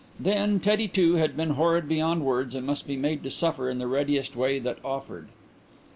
Then Teddy, too, had been horrid beyond words and must be made to suffer in the readiest way that offered.